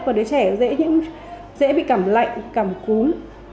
và đứa trẻ dễ bị cảm lạnh cảm khúm